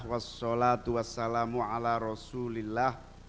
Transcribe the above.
wassalatu wassalamu ala rasulillah